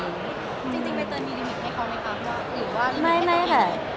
จริงไปเติมอินิวท์ให้ครับหรือว่า